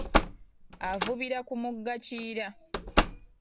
Avubira ku mugga Kiyira.